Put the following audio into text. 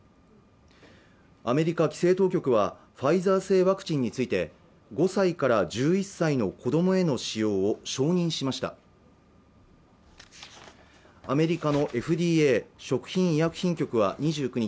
米規制当局はファイザー製ワクチンについて５歳から１１歳の子どもへの使用を承認しましたアメリカのＦＤＡ＝食品医薬品局は２９日